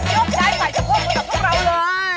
ยกใช้ใหม่ทุกคนกับทุกเราเลย